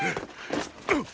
あっ！